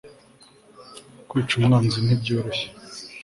kwica umwanzi ntibyoroshye